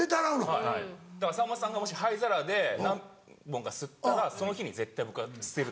はいだからさんまさんがもし灰皿で何本か吸ったらその日に絶対僕は捨てる。